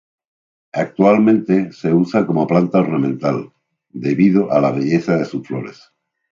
Actualmente se usa como planta ornamental, debido a la belleza de sus flores.